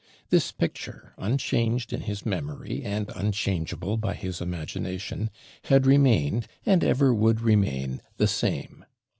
This picture, unchanged in his memory, and unchangeable by his imagination, had remained, and ever would remain, the same.